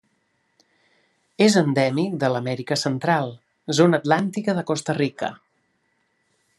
És endèmic de l'Amèrica Central: zona atlàntica de Costa Rica.